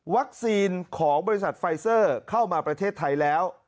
ของบริษัทไฟเซอร์เข้ามาประเทศไทยแล้ว